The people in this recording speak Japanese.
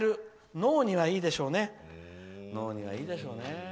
脳にはいいでしょうね。